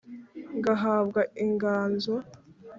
ngahabwa inganzo.